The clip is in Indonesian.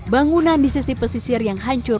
bangunan di sisi pesisir yang hancur